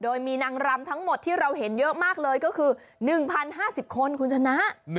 โดยมีนางรำทั้งหมดที่เราเห็นเยอะมากเลยก็คือ๑๐๕๐คนคุณชนะ